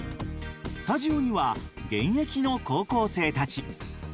スタジオには現役の高校生たち。